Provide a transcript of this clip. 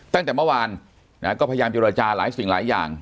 ตั้งแต่เมื่อวานก็พยายามเจรจาหลายสิ่งหลายอย่าง